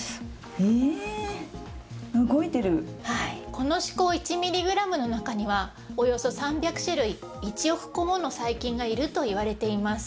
この歯垢１ミリグラムの中にはおよそ３００種類１億個もの細菌がいると言われています。